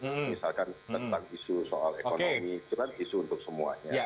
misalkan tentang isu soal ekonomi itu kan isu untuk semuanya